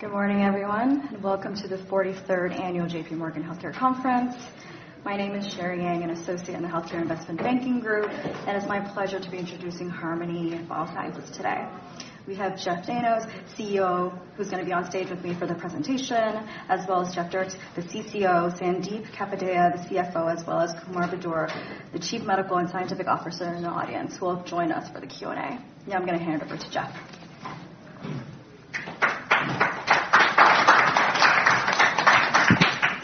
Good morning, everyone, and welcome to the 43rd Annual JPMorgan Healthcare Conference. My name is Sherry Yang, an Associate in the Healthcare Investment Banking Group, and it's my pleasure to be introducing Harmony Biosciences today. We have Jeff Dayno, CEO, who's going to be on stage with me for the presentation, as well as Jeff Dierks, the CCO, Sandip Kapadia, the CFO, as well as Kumar Budur, the Chief Medical and Scientific Officer in the audience, who will join us for the Q&A. Now I'm going to hand it over to Jeff.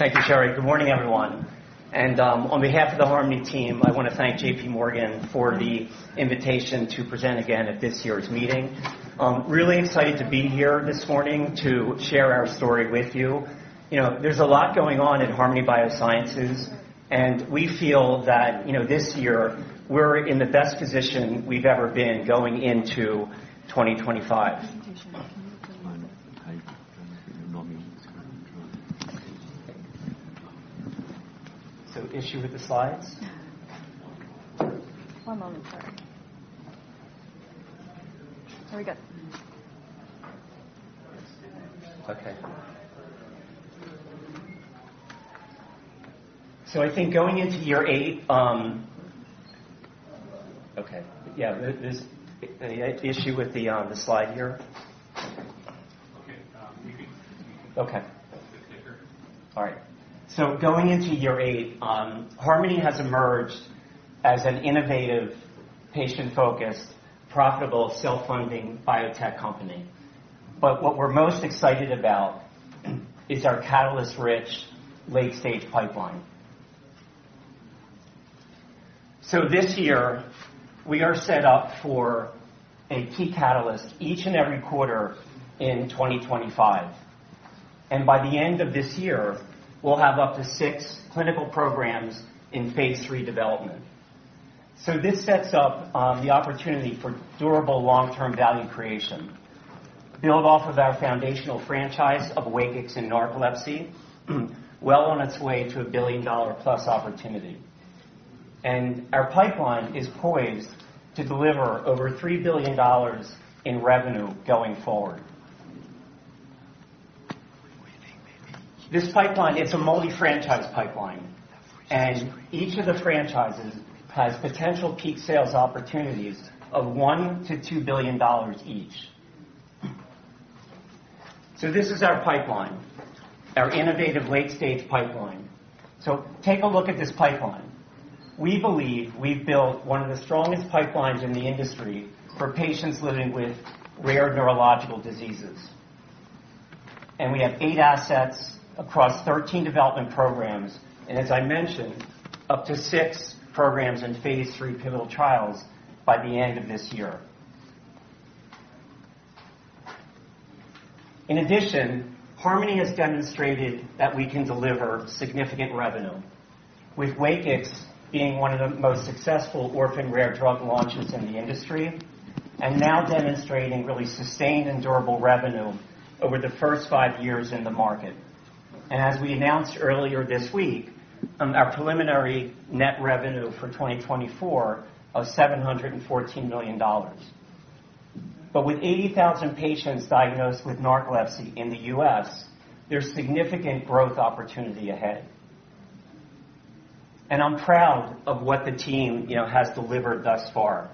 Thank you, Sherry. Good morning, everyone, and on behalf of the Harmony team, I want to thank JPMorgan for the invitation to present again at this year's meeting. Really excited to be here this morning to share our story with you. There's a lot going on in Harmony Biosciences, and we feel that this year we're in the best position we've ever been going into 2025. So, issue with the slides? One moment, Sherry. Here we go. Okay, so I think going into year eight, okay. Yeah, issue with the slide here. Okay. That's the sticker. All right. So going into year eight, Harmony has emerged as an innovative, patient-focused, profitable, self-funding biotech company. But what we're most excited about is our catalyst-rich late-stage pipeline. So this year, we are set up for a key catalyst each and every quarter in 2025. And by the end of this year, we'll have up to six clinical programs in phase III development. So this sets up the opportunity for durable long-term value creation, built off of our foundational franchise of WAKIX and narcolepsy, well on its way to a billion-dollar-plus opportunity. And our pipeline is poised to deliver over $3 billion in revenue going forward. This pipeline, it's a multi-franchise pipeline, and each of the franchises has potential peak sales opportunities of $1 billion-$2 billion each. So this is our pipeline, our innovative late-stage pipeline. So take a look at this pipeline. We believe we've built one of the strongest pipelines in the industry for patients living with rare neurological diseases. We have eight assets across 13 development programs, and as I mentioned, up to six programs in phase III pivotal trials by the end of this year. In addition, Harmony has demonstrated that we can deliver significant revenue, with WAKIX being one of the most successful orphan-rare drug launches in the industry and now demonstrating really sustained and durable revenue over the first five years in the market. As we announced earlier this week, our preliminary net revenue for 2024 was $714 million. With 80,000 patients diagnosed with narcolepsy in the U.S., there's significant growth opportunity ahead. I'm proud of what the team has delivered thus far.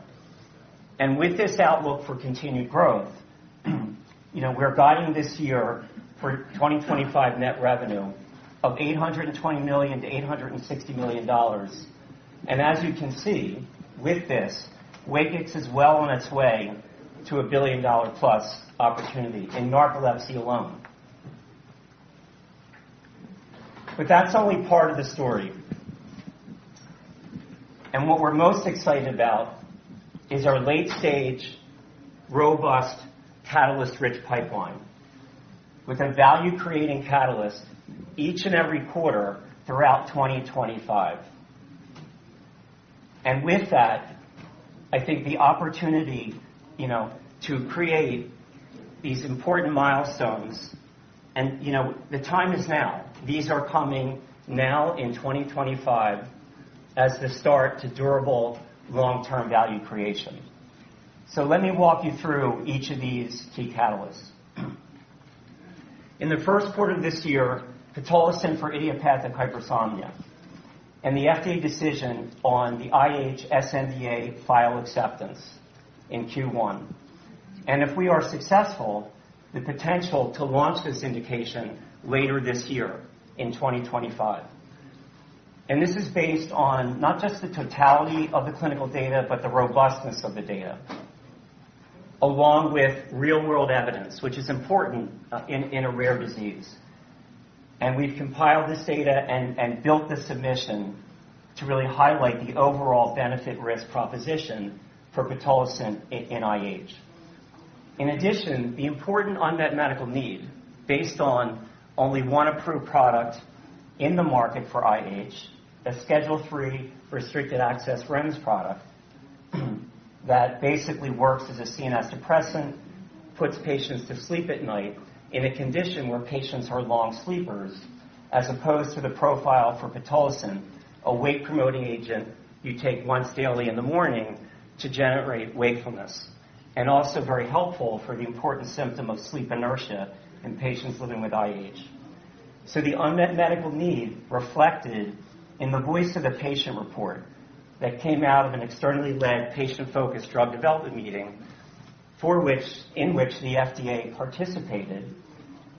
With this outlook for continued growth, we're guiding this year for 2025 net revenue of $820 million-$860 million. And as you can see with this, WAKIX is well on its way to a billion-dollar-plus opportunity in narcolepsy alone. But that's only part of the story. And what we're most excited about is our late-stage, robust, catalyst-rich pipeline with a value-creating catalyst each and every quarter throughout 2025. And with that, I think the opportunity to create these important milestones, and the time is now. These are coming now in 2025 as the start to durable long-term value creation. So let me walk you through each of these key catalysts. In the first quarter of this year, catalyst for idiopathic hypersomnia and the FDA decision on the IH sNDA final acceptance in Q1. If we are successful, the potential to launch this indication later this year in 2025. This is based on not just the totality of the clinical data, but the robustness of the data, along with real-world evidence, which is important in a rare disease. We've compiled this data and built this submission to really highlight the overall benefit-risk proposition for pitolisant in IH. In addition, the important unmet medical need based on only one approved product in the market for IH, a Schedule III restricted access REMS product that basically works as a CNS depressant, puts patients to sleep at night in a condition where patients are long sleepers, as opposed to the profile for pitolisant, a wake-promoting agent you take once daily in the morning to generate wakefulness, and also very helpful for the important symptom of sleep inertia in patients living with IH. The unmet medical need reflected in the voice of the patient report that came out of an externally led patient-focused drug development meeting in which the FDA participated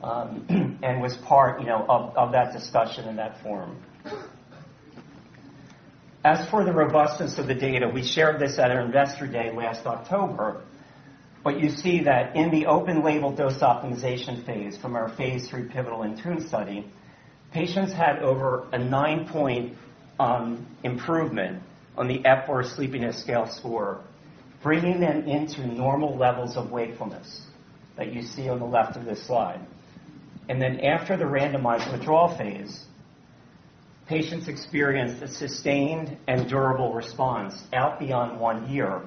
and was part of that discussion in that forum. As for the robustness of the data, we shared this at our investor day last October. You see that in the open-label dose optimization phase from our phase III pivotal INTUNE study, patients had over a nine-point improvement on the Epworth Sleepiness Scale score, bringing them into normal levels of wakefulness that you see on the left of this slide. After the randomized withdrawal phase, patients experienced a sustained and durable response out beyond one year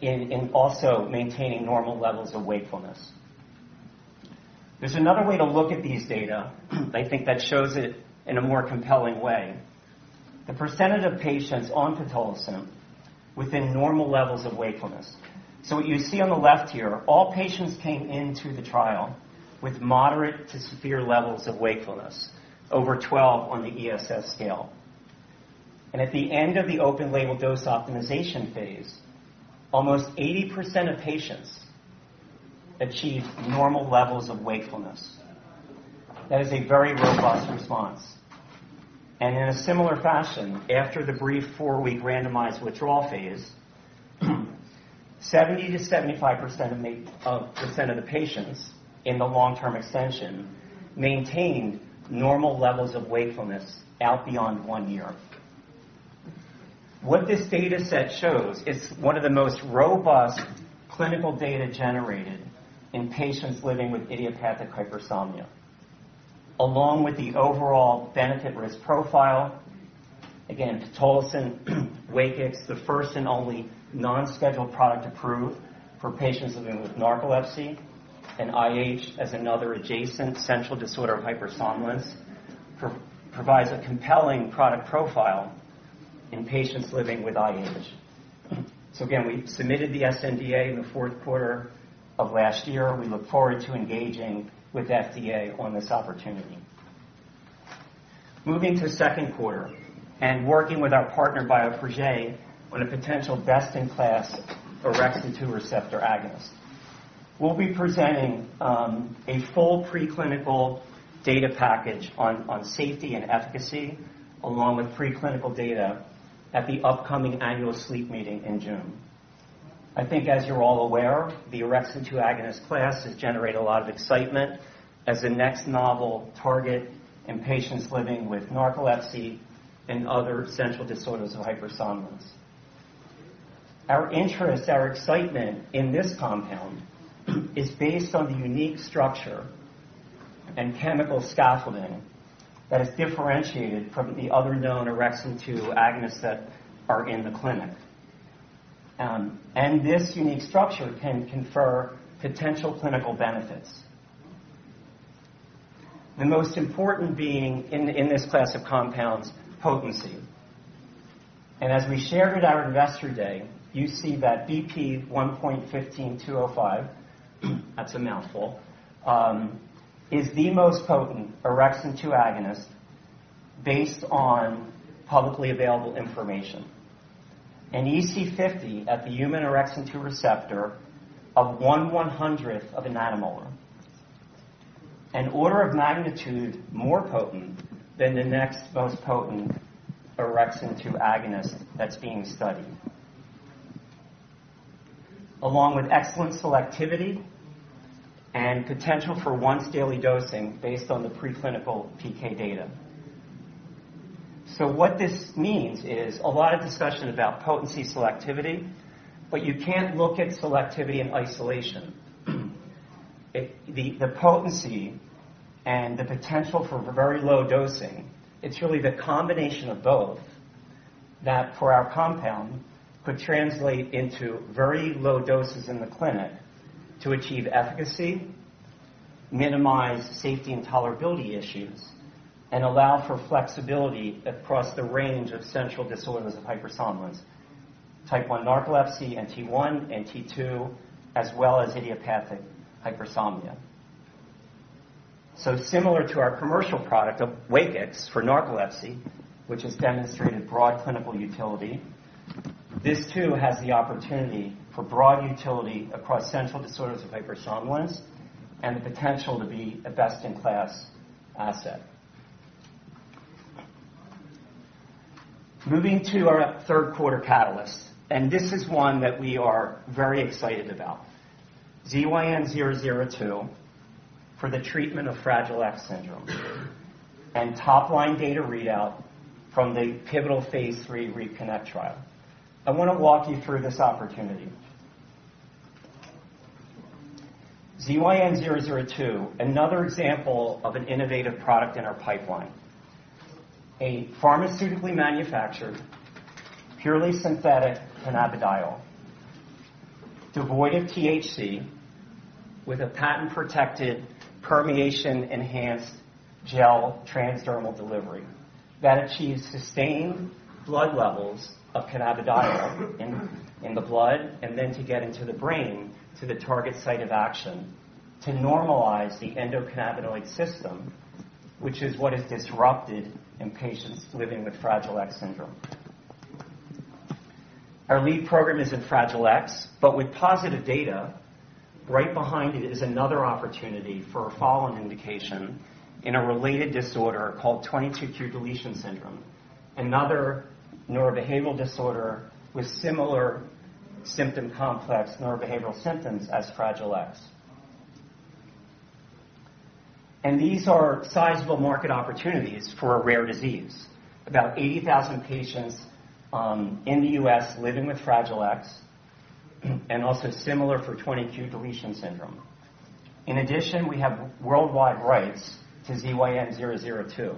in also maintaining normal levels of wakefulness. There's another way to look at these data, I think, that shows it in a more compelling way. The percentage of patients on pitolisant within normal levels of wakefulness. So what you see on the left here, all patients came into the trial with moderate to severe levels of wakefulness, over 12 on the ESS scale. And at the end of the open-label dose optimization phase, almost 80% of patients achieved normal levels of wakefulness. That is a very robust response. And in a similar fashion, after the brief four-week randomized withdrawal phase, 70%-75% of the patients in the long-term extension maintained normal levels of wakefulness out beyond one year. What this data set shows is one of the most robust clinical data generated in patients living with idiopathic hypersomnia, along with the overall benefit-risk profile. Again, pitolisant, WAKIX, the first and only non-scheduled product approved for patients living with narcolepsy, and IH as another adjacent central disorder of hypersomnolence provides a compelling product profile in patients living with IH. So again, we submitted the sNDA in the fourth quarter of last year. We look forward to engaging with FDA on this opportunity. Moving to second quarter and working with our partner Bioprojet on a potential best-in-class orexin 2 receptor agonist. We'll be presenting a full preclinical data package on safety and efficacy along with preclinical data at the upcoming annual sleep meeting in June. I think, as you're all aware, the orexin 2 agonist class has generated a lot of excitement as a next novel target in patients living with narcolepsy and other central disorders of hypersomnolence. Our interest, our excitement in this compound is based on the unique structure and chemical scaffolding that is differentiated from the other known orexin 2 agonists that are in the clinic. And this unique structure can confer potential clinical benefits, the most important being in this class of compounds, potency. And as we shared at our investor day, you see that BP1.15205, that's a mouthful, is the most potent orexin 2 agonist based on publicly available information. And EC50 at the human orexin 2 receptor of 1/100th of a nanomolar, an order of magnitude more potent than the next most potent orexin 2 agonist that's being studied, along with excellent selectivity and potential for once-daily dosing based on the preclinical PK data. So what this means is a lot of discussion about potency, selectivity, but you can't look at selectivity in isolation. The potency and the potential for very low dosing, it's really the combination of both that for our compound could translate into very low doses in the clinic to achieve efficacy, minimize safety and tolerability issues, and allow for flexibility across the range of central disorders of hypersomnolence, type 1 narcolepsy and T1 and T2, as well as idiopathic hypersomnia. So similar to our commercial product of WAKIX for narcolepsy, which has demonstrated broad clinical utility, this too has the opportunity for broad utility across central disorders of hypersomnolence and the potential to be a best-in-class asset. Moving to our third quarter catalyst, and this is one that we are very excited about, ZYN002 for the treatment of Fragile X syndrome and top-line data readout from the pivotal phase III RECONNECT trial. I want to walk you through this opportunity. ZYN002, another example of an innovative product in our pipeline, a pharmaceutically manufactured purely synthetic cannabidiol, devoid of THC, with a patent-protected permeation-enhanced gel transdermal delivery that achieves sustained blood levels of cannabidiol in the blood and then to get into the brain to the target site of action to normalize the endocannabinoid system, which is what is disrupted in patients living with Fragile X syndrome. Our lead program is in Fragile X, but with positive data, right behind it is another opportunity for a following indication in a related disorder called 22q deletion syndrome, another neurobehavioral disorder with similar symptom complex neurobehavioral symptoms as Fragile X. These are sizable market opportunities for a rare disease, about 80,000 patients in the U.S. living with Fragile X and also similar for 22q deletion syndrome. In addition, we have worldwide rights to ZYN002,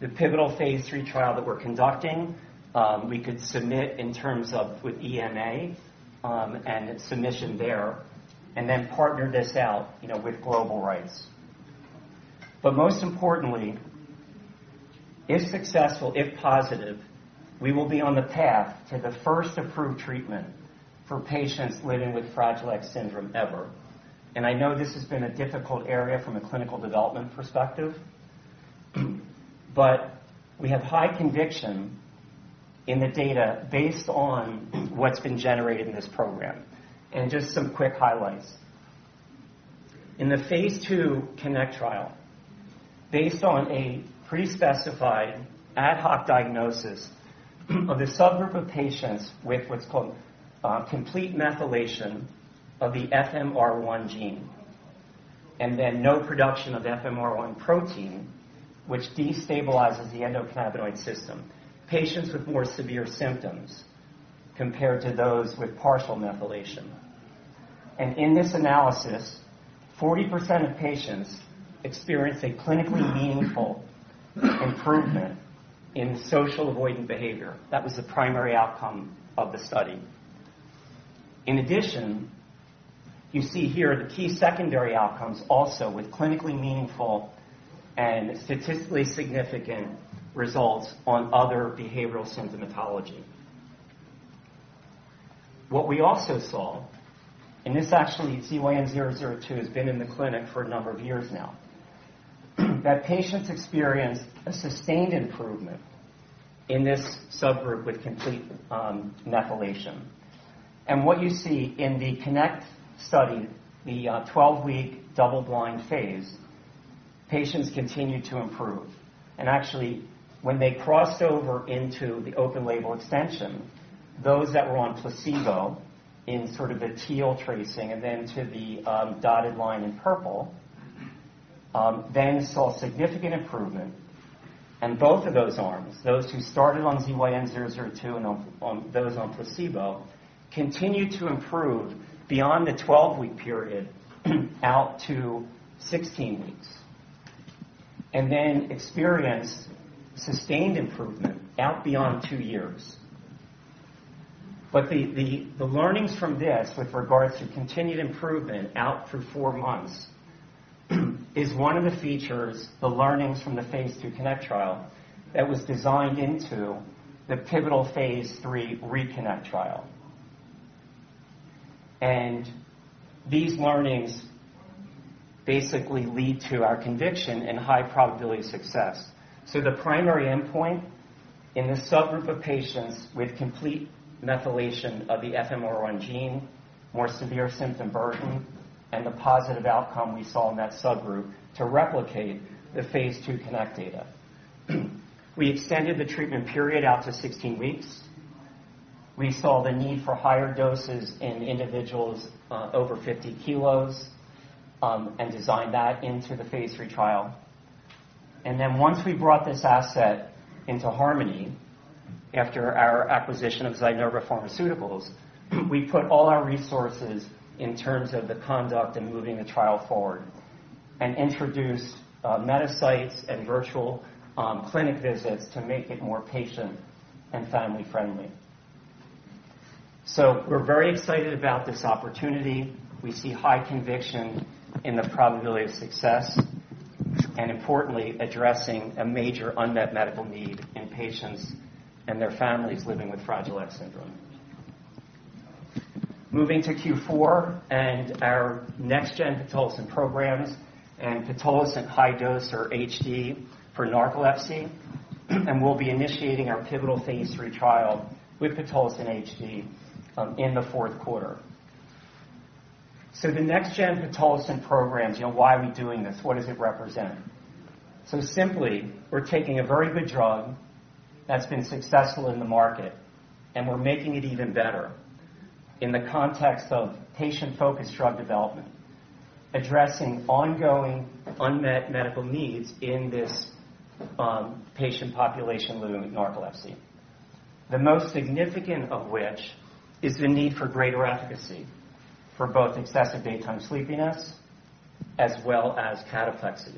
the pivotal phase III trial that we're conducting. We could submit in terms of with EMA and submission there and then partner this out with global rights. But most importantly, if successful, if positive, we will be on the path to the first approved treatment for patients living with Fragile X syndrome ever. I know this has been a difficult area from a clinical development perspective, but we have high conviction in the data based on what's been generated in this program. Just some quick highlights. In the phase II CONNECT trial, based on a pre-specified ad hoc analysis of a subgroup of patients with what's called complete methylation of the FMR1 gene and then no production of FMR1 protein, which destabilizes the endocannabinoid system, patients with more severe symptoms compared to those with partial methylation. In this analysis, 40% of patients experienced a clinically meaningful improvement in social avoidant behavior. That was the primary outcome of the study. In addition, you see here the key secondary outcomes also with clinically meaningful and statistically significant results on other behavioral symptomatology. What we also saw, and, actually, ZYN002 has been in the clinic for a number of years now, that patients experienced a sustained improvement in this subgroup with complete methylation, and what you see in the CONNECT study, the 12-week double-blind phase, patients continued to improve, and actually, when they crossed over into the open-label extension, those that were on placebo in sort of the teal tracing and then to the dotted line in purple, then saw significant improvement, and both of those arms, those who started on ZYN002 and those on placebo, continued to improve beyond the 12-week period out to 16 weeks and then experienced sustained improvement out beyond two years. But the learnings from this with regards to continued improvement out through four months is one of the features, the learnings from the phase II CONNECT trial that was designed into the pivotal phase III RECONNECT trial, and these learnings basically lead to our conviction in high probability of success, so the primary endpoint in the subgroup of patients with complete methylation of the FMR1 gene, more severe symptom burden, and the positive outcome we saw in that subgroup to replicate the phase II CONNECT data. We extended the treatment period out to 16 weeks. We saw the need for higher doses in individuals over 50 kilos and designed that into the phase III trial. And then once we brought this asset into Harmony after our acquisition of Zynerba Pharmaceuticals, we put all our resources in terms of the conduct and moving the trial forward and introduced additional sites and virtual clinic visits to make it more patient and family friendly. So we're very excited about this opportunity. We see high conviction in the probability of success and, importantly, addressing a major unmet medical need in patients and their families living with Fragile X syndrome. Moving to Q4 and our next gen pitolisant programs and pitolisant high dose or HD for narcolepsy, and we'll be initiating our pivotal phase III trial with pitolisant HD in the fourth quarter. So the next-gen pitolisant programs, why are we doing this? What does it represent? So simply, we're taking a very good drug that's been successful in the market, and we're making it even better in the context of patient-focused drug development, addressing ongoing unmet medical needs in this patient population living with narcolepsy, the most significant of which is the need for greater efficacy for both excessive daytime sleepiness as well as cataplexy.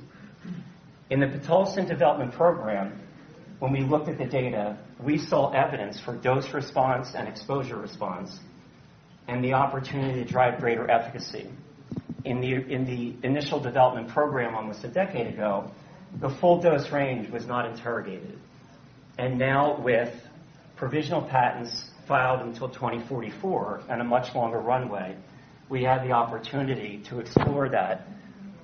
In the pitolisant development program, when we looked at the data, we saw evidence for dose response and exposure response and the opportunity to drive greater efficacy. In the initial development program almost a decade ago, the full dose range was not interrogated. And now, with provisional patents filed until 2044 and a much longer runway, we had the opportunity to explore that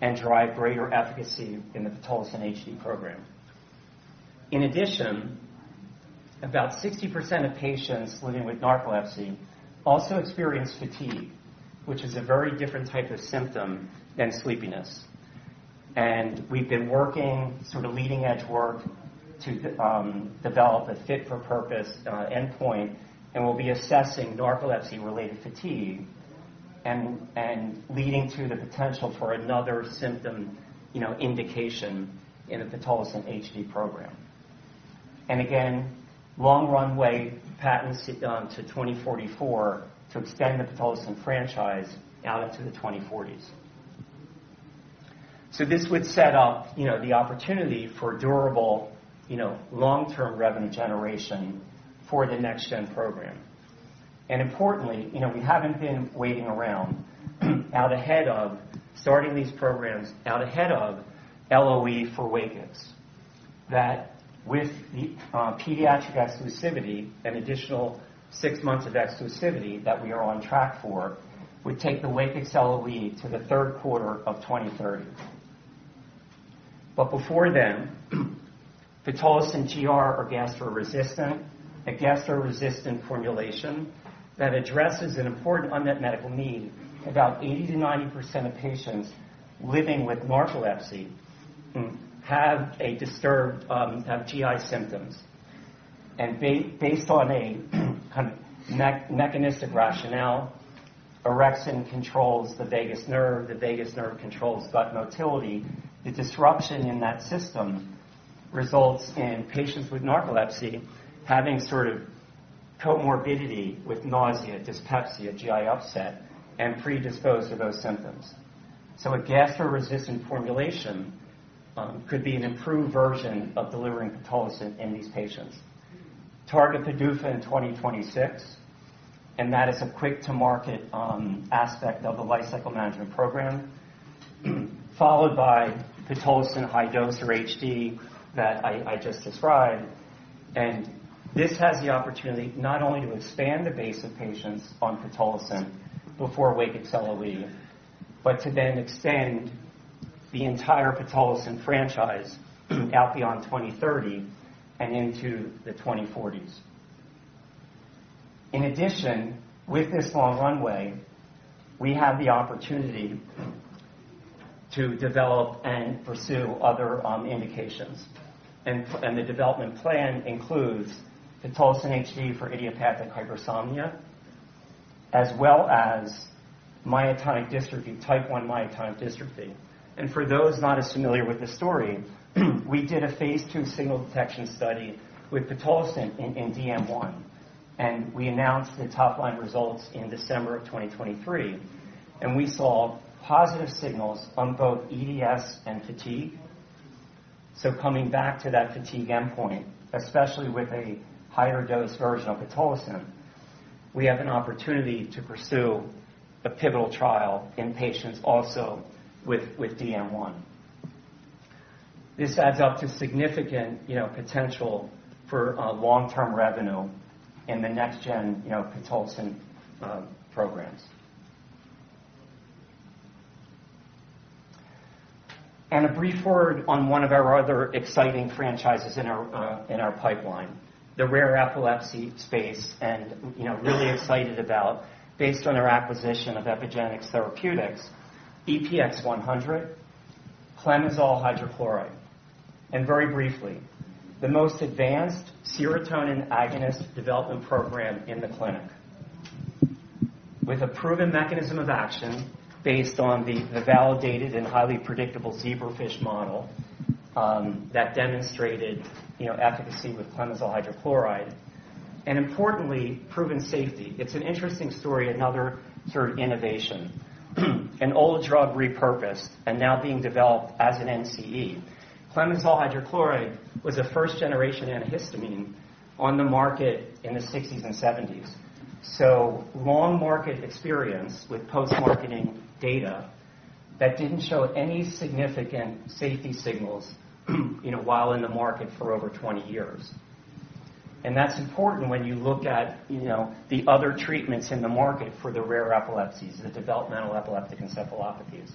and drive greater efficacy in the pitolisant HD program. In addition, about 60% of patients living with narcolepsy also experience fatigue, which is a very different type of symptom than sleepiness, and we've been working sort of leading-edge work to develop a fit-for-purpose endpoint, and we'll be assessing narcolepsy-related fatigue and leading to the potential for another symptom indication in the pitolisant HD program, and again, long runway patents down to 2044 to extend the pitolisant franchise out into the 2040s, so this would set up the opportunity for durable long-term revenue generation for the next-gen program, and importantly, we haven't been waiting around out ahead of starting these programs out ahead of LOE for WAKIX that with the pediatric exclusivity and additional six months of exclusivity that we are on track for would take the WAKIX LOE to the third quarter of 2030. But before then, pitolisant GR or gastro-resistant, a gastro-resistant formulation that addresses an important unmet medical need, about 80%-90% of patients living with narcolepsy have GI symptoms. And based on a kind of mechanistic rationale, orexin controls the vagus nerve. The vagus nerve controls gut motility. The disruption in that system results in patients with narcolepsy having sort of comorbidity with nausea, dyspepsia, GI upset, and predisposed to those symptoms. So a gastro-resistant formulation could be an improved version of delivering pitolisant in these patients. Target PDUFA in 2026, and that is a quick-to-market aspect of the life cycle management program, followed by pitolisant high dose or HD that I just described. And this has the opportunity not only to expand the base of patients on pitolisant before WAKIX LOE, but to then extend the entire pitolisant franchise out beyond 2030 and into the 2040s. In addition, with this long runway, we have the opportunity to develop and pursue other indications, and the development plan includes pitolisant HD for idiopathic hypersomnia, as well as myotonic dystrophy, type 1 myotonic dystrophy, and for those not as familiar with the story, we did a phase II signal detection study with pitolisant in DM1, and we announced the top-line results in December of 2023, and we saw positive signals on both EDS and fatigue, so coming back to that fatigue endpoint, especially with a higher dose version of pitolisant, we have an opportunity to pursue a pivotal trial in patients also with DM1. This adds up to significant potential for long-term revenue in the next-gen pitolisant programs. A brief word on one of our other exciting franchises in our pipeline, the rare epilepsy space, and really excited about based on our acquisition of Epygenix Therapeutics, EPX-100, clemizole hydrochloride, and very briefly, the most advanced serotonin agonist development program in the clinic with a proven mechanism of action based on the validated and highly predictable zebrafish model that demonstrated efficacy with clemizole hydrochloride and, importantly, proven safety. It's an interesting story, another sort of innovation. An old drug repurposed and now being developed as an NCE. Clemizole hydrochloride was a first-generation antihistamine on the market in the 1960s and 1970s. So long market experience with post-marketing data that didn't show any significant safety signals while in the market for over 20 years. That's important when you look at the other treatments in the market for the rare epilepsies, the developmental epileptic encephalopathies.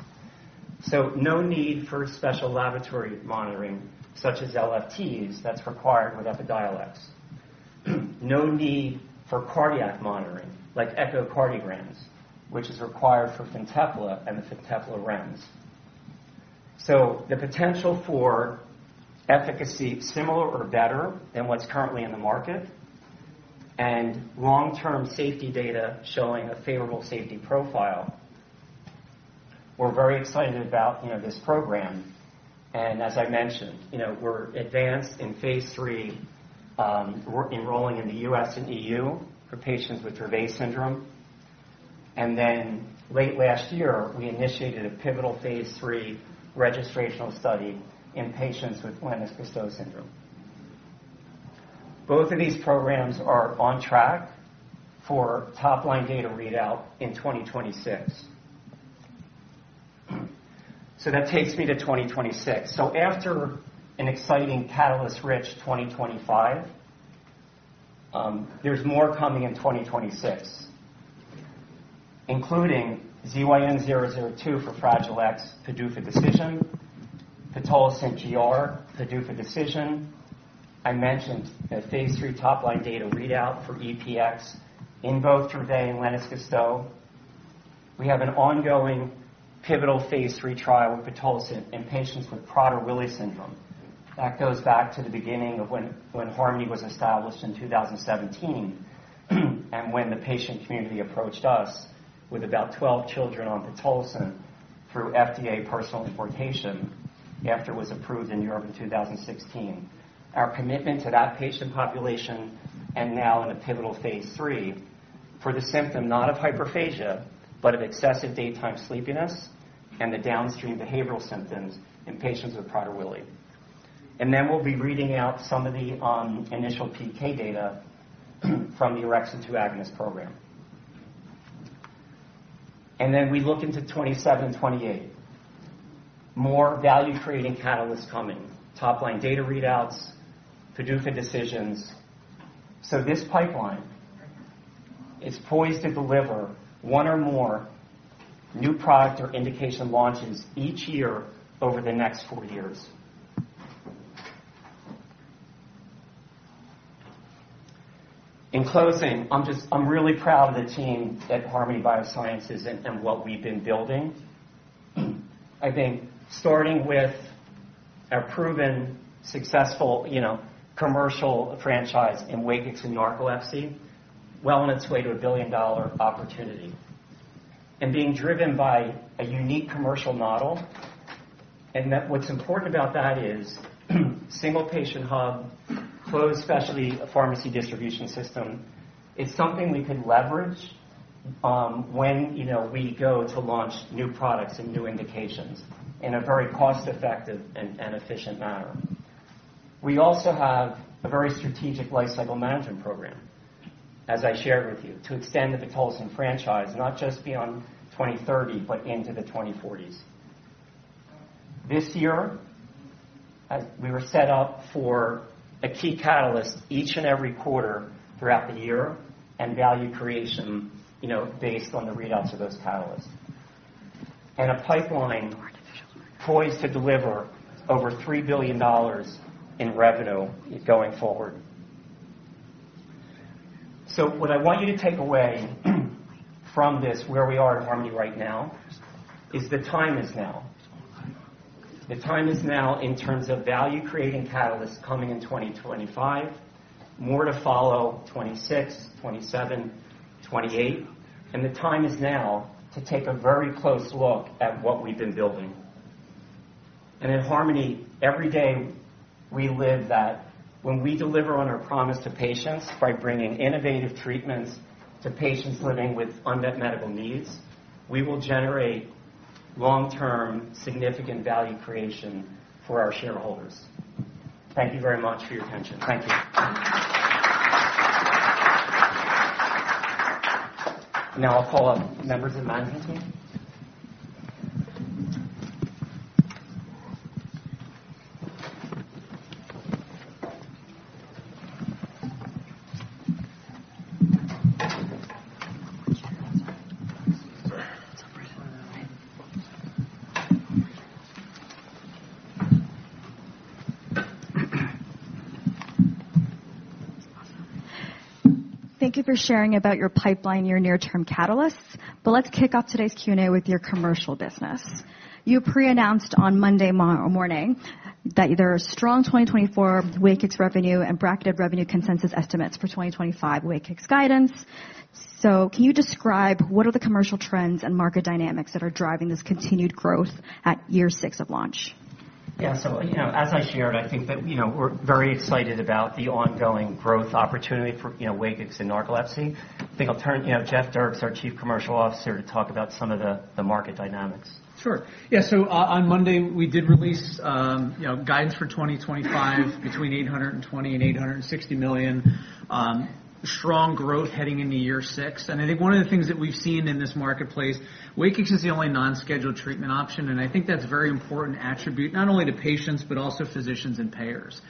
No need for special laboratory monitoring such as LFTs that's required with Epidiolex. No need for cardiac monitoring like echocardiograms, which is required for Fintepla and the Fintepla REMS. The potential for efficacy similar or better than what's currently in the market and long-term safety data showing a favorable safety profile. We're very excited about this program. As I mentioned, we're advanced in phase III enrolling in the U.S. and EU for patients with Dravet syndrome. Then late last year, we initiated a pivotal phase III registrational study in patients with Lennox-Gastaut syndrome. Both of these programs are on track for top-line data readout in 2026. That takes me to 2026. After an exciting catalyst-rich 2025, there's more coming in 2026, including ZYN002 for Fragile X, PDUFA decision, pitolisant GR, PDUFA decision. I mentioned a phase III top-line data readout for EPX in both Dravet and Lennox-Gastaut. We have an ongoing pivotal phase III trial with pitolisant in patients with Prader-Willi syndrome. That goes back to the beginning of when Harmony was established in 2017 and when the patient community approached us with about 12 children on pitolisant through FDA personal importation after it was approved in Europe in 2016. Our commitment to that patient population and now in a pivotal phase III for the symptom not of hyperphagia, but of excessive daytime sleepiness and the downstream behavioral symptoms in patients with Prader-Willi. And then we'll be reading out some of the initial PK data from the orexin 2 agonist program. And then we look into 2027 and 2028. More value-creating catalysts coming, top-line data readouts, PDUFA decisions. This pipeline is poised to deliver one or more new product or indication launches each year over the next four years. In closing, I'm really proud of the team at Harmony Biosciences and what we've been building. I think starting with a proven successful commercial franchise in WAKIX and narcolepsy, well on its way to a billion-dollar opportunity and being driven by a unique commercial model. What's important about that is single patient hub, closed specialty pharmacy distribution system. It's something we could leverage when we go to launch new products and new indications in a very cost-effective and efficient manner. We also have a very strategic life cycle management program, as I shared with you, to extend the pitolisant franchise, not just beyond 2030, but into the 2040s. This year, we were set up for a key catalyst each and every quarter throughout the year and value creation based on the readouts of those catalysts and a pipeline poised to deliver over $3 billion in revenue going forward. So what I want you to take away from this, where we are in Harmony right now, is the time is now. The time is now in terms of value-creating catalysts coming in 2025, more to follow 2026, 2027, 2028. And the time is now to take a very close look at what we've been building. And at Harmony, every day we live that when we deliver on our promise to patients by bringing innovative treatments to patients living with unmet medical needs, we will generate long-term significant value creation for our shareholders. Thank you very much for your attention. Thank you. Now I'll call up members of the management team. Thank you for sharing about your pipeline, your near-term catalysts. But let's kick off today's Q&A with your commercial business. You pre-announced on Monday morning that there are strong 2024 WAKIX revenue and bracketed revenue consensus estimates for 2025 WAKIX guidance. So can you describe what are the commercial trends and market dynamics that are driving this continued growth at year six of launch? Yeah. So as I shared, I think that we're very excited about the ongoing growth opportunity for WAKIX and narcolepsy. I think I'll turn Jeff Dierks, our Chief Commercial Officer, to talk about some of the market dynamics. Sure. Yeah. So on Monday, we did release guidance for 2025 between $820 million and $860 million. Strong growth heading into year six. And I think one of the things that we've seen in this marketplace, WAKIX is the only non-scheduled treatment option. And I think that's a very important attribute not only to patients, but also physicians and payers.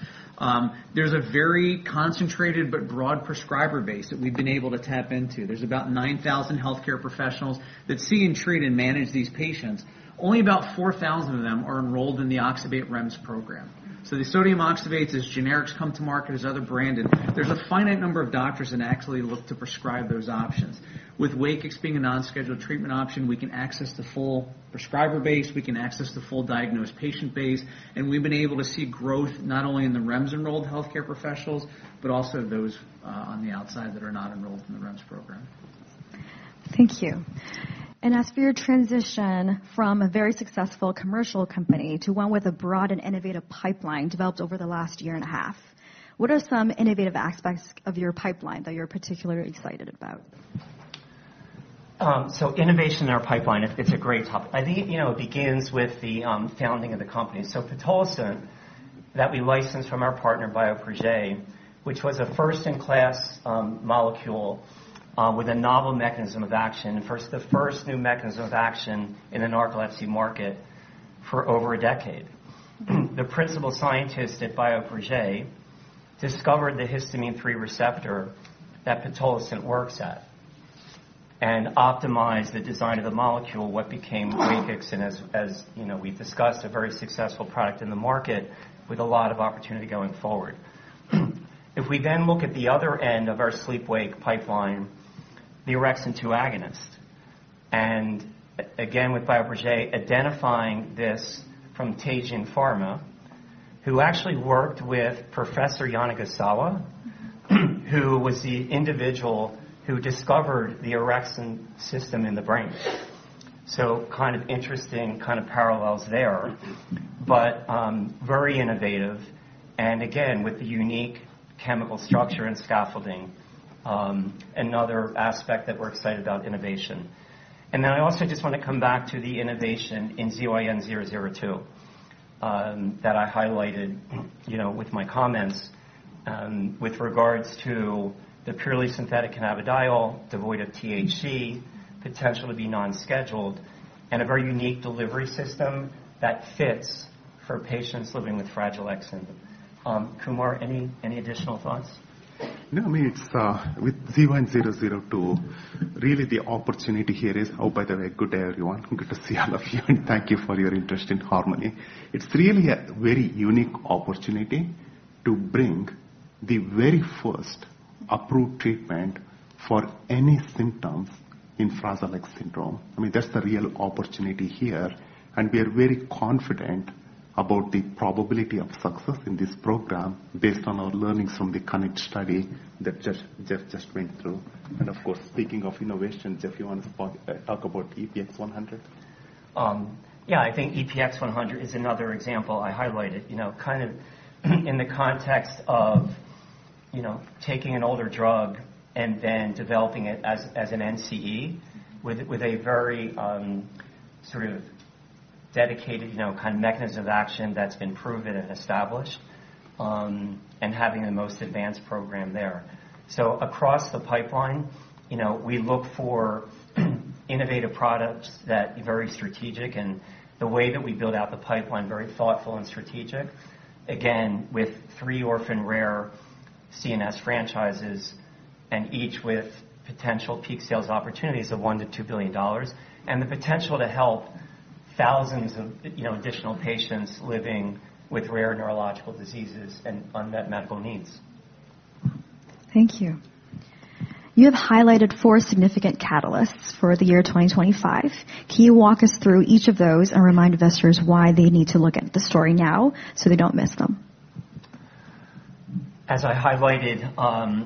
There's a very concentrated but broad prescriber base that we've been able to tap into. There's about 9,000 healthcare professionals that see and treat and manage these patients. Only about 4,000 of them are enrolled in the oxybate REMS program. So the sodium oxybates as generics come to market as other branded. There's a finite number of doctors that actually look to prescribe those options. With WAKIX being a non-scheduled treatment option, we can access the full prescriber base. We can access the full diagnosed patient base. And we've been able to see growth not only in the REMS-enrolled healthcare professionals, but also those on the outside that are not enrolled in the REMS program. Thank you. And as for your transition from a very successful commercial company to one with a broad and innovative pipeline developed over the last year and a half, what are some innovative aspects of your pipeline that you're particularly excited about? So innovation in our pipeline, it's a great topic. I think it begins with the founding of the company. So pitolisant that we licensed from our partner, Bioprojet, which was a first-in-class molecule with a novel mechanism of action, the first new mechanism of action in the narcolepsy market for over a decade. The principal scientist at Bioprojet discovered the histamine 3 receptor that pitolisant works at and optimized the design of the molecule, what became WAKIX. And as we've discussed, a very successful product in the market with a lot of opportunity going forward. If we then look at the other end of our sleep-wake pipeline, the orexin 2 agonist. And again, with Bioprojet, identifying this from Teijin Pharma, who actually worked with Professor Masashi Yanagisawa, who was the individual who discovered the orexin system in the brain. So kind of interesting kind of parallels there, but very innovative. And again, with the unique chemical structure and scaffolding, another aspect that we're excited about innovation. And then I also just want to come back to the innovation in ZYN002 that I highlighted with my comments with regards to the purely synthetic cannabidiol, devoid of THC, potentially be non-scheduled, and a very unique delivery system that fits for patients living with Fragile X. Kumar, any additional thoughts? No, I mean, with ZYN002, really the opportunity here is, oh, by the way, good day, everyone. Good to see all of you. And thank you for your interest in Harmony. It's really a very unique opportunity to bring the very first approved treatment for any symptoms in Fragile X syndrome. I mean, that's the real opportunity here, and we are very confident about the probability of success in this program based on our learnings from the CONNECT study that Jeff just went through, and of course, speaking of innovation, Jeff, you want to talk about EPX-100? Yeah. I think EPX-100 is another example I highlighted kind of in the context of taking an older drug and then developing it as an NCE with a very sort of dedicated kind of mechanism of action that's been proven and established and having the most advanced program there, so across the pipeline, we look for innovative products that are very strategic. The way that we build out the pipeline, very thoughtful and strategic, again, with three orphan rare CNS franchises and each with potential peak sales opportunities of $1 billion-$2 billion and the potential to help thousands of additional patients living with rare neurological diseases and unmet medical needs. Thank you. You have highlighted four significant catalysts for the year 2025. Can you walk us through each of those and remind investors why they need to look at the story now so they don't miss them? As I highlighted,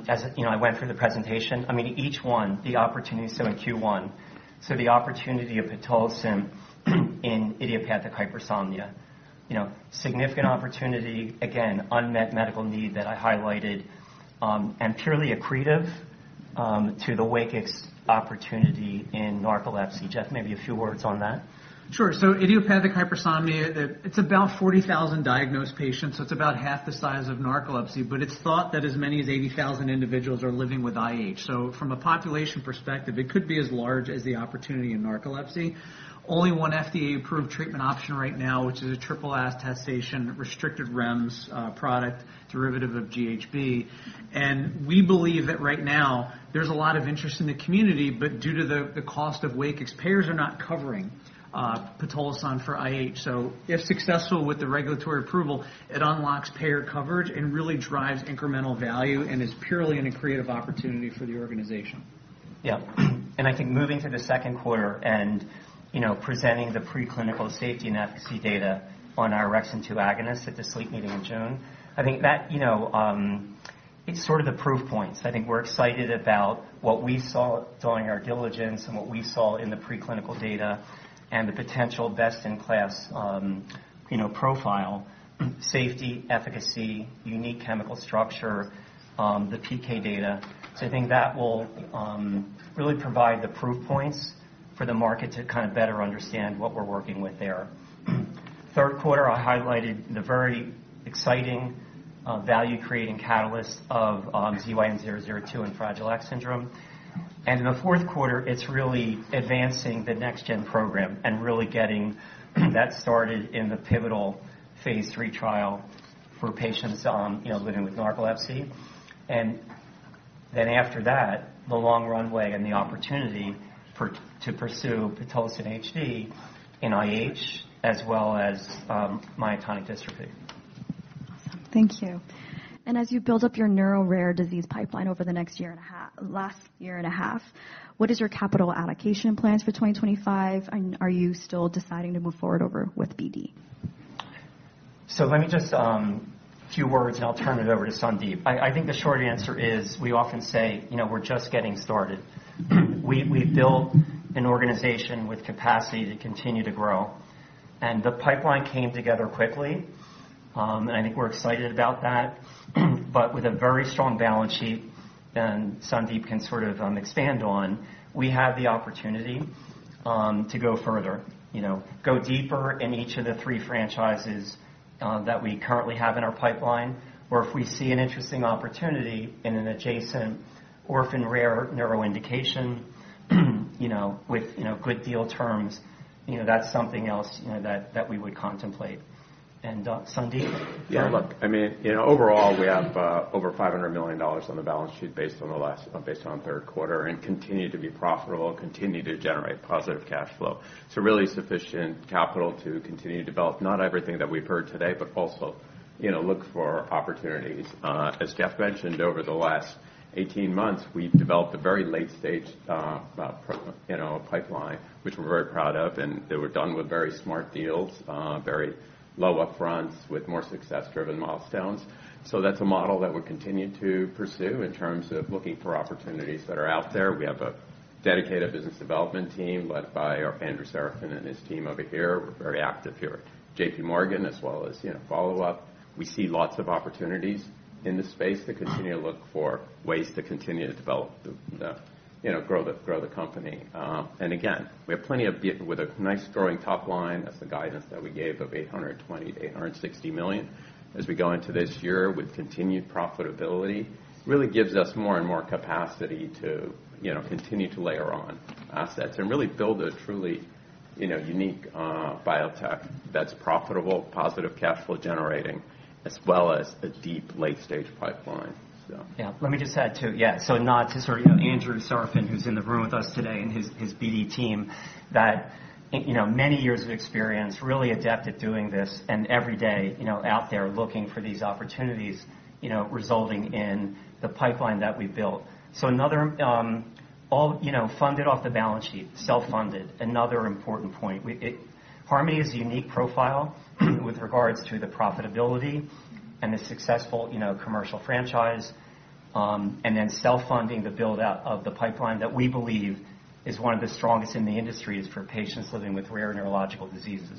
as I went through the presentation, I mean, each one, the opportunity so in Q1, so the opportunity of pitolisant in idiopathic hypersomnia, significant opportunity, again, unmet medical need that I highlighted, and purely accretive to the WAKIX opportunity in narcolepsy. Jeff, maybe a few words on that. Sure. So idiopathic hypersomnia, it's about 40,000 diagnosed patients. So it's about half the size of narcolepsy. But it's thought that as many as 80,000 individuals are living with IH. So from a population perspective, it could be as large as the opportunity in narcolepsy. Only one FDA-approved treatment option right now, which is [triple attestation], restricted REMS product derivative of GHB. And we believe that right now, there's a lot of interest in the community, but due to the cost of WAKIX, payers are not covering pitolisant for IH. So if successful with the regulatory approval, it unlocks payer coverage and really drives incremental value and is purely an accretive opportunity for the organization. Yeah. And I think moving to the second quarter and presenting the preclinical safety and efficacy data on our orexin 2 agonist at the sleep meeting in June, I think that it's sort of the proof points. I think we're excited about what we saw during our diligence and what we saw in the preclinical data and the potential best-in-class profile, safety, efficacy, unique chemical structure, the PK data. So I think that will really provide the proof points for the market to kind of better understand what we're working with there. In the third quarter, I highlighted the very exciting value-creating catalyst of ZYN002 and Fragile X syndrome. And in the fourth quarter, it's really advancing the next-gen program and really getting that started in the pivotal phase III trial for patients living with narcolepsy. And then after that, the long runway and the opportunity to pursue pitolisant HD in IH, as well as myotonic dystrophy. Thank you. And as you build up your neuro rare disease pipeline over the next year and a half, what is your capital allocation plans for 2025? And are you still deciding to move forward over with BD? So let me just a few words, and I'll turn it over to Sandip. I think the short answer is we often say we're just getting started. We've built an organization with capacity to continue to grow. And the pipeline came together quickly. And I think we're excited about that. But with a very strong balance sheet that Sandip can sort of expand on, we have the opportunity to go further, go deeper in each of the three franchises that we currently have in our pipeline. Or if we see an interesting opportunity in an adjacent orphan rare neuro indication with good deal terms, that's something else that we would contemplate. And Sandip? Yeah. Look, I mean, overall, we have over $500 million on the balance sheet based on the last third quarter and continue to be profitable, continue to generate positive cash flow. So really sufficient capital to continue to develop not everything that we've heard today, but also look for opportunities. As Jeff mentioned, over the last 18 months, we've developed a very late-stage pipeline, which we're very proud of, and they were done with very smart deals, very low upfronts with more success-driven milestones. So that's a model that we'll continue to pursue in terms of looking for opportunities that are out there. We have a dedicated business development team led by Andrew Serafin and his team over here. We're very active here. JPMorgan, as well as follow-up. We see lots of opportunities in the space to continue to look for ways to continue to develop, grow the company. And again, we have plenty of with a nice growing top line. That's the guidance that we gave of $820 million-$860 million. As we go into this year with continued profitability, really gives us more and more capacity to continue to layer on assets and really build a truly unique biotech that's profitable, positive cash flow generating, as well as a deep late-stage pipeline. Yeah. Let me just add too, yeah, so not to sort of Andrew Serafin, who's in the room with us today and his BD team, that many years of experience really adept at doing this and every day out there looking for these opportunities resulting in the pipeline that we've built. So another all funded off the balance sheet, self-funded, another important point. Harmony is a unique profile with regards to the profitability and the successful commercial franchise, and then self-funding the build-out of the pipeline that we believe is one of the strongest in the industry is for patients living with rare neurological diseases.